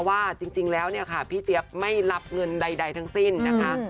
ว่าจริงแล้วเนี่ยค่ะพี่เจี๊ยบไม่รับเงินใดทั้งสิ้นนะคะ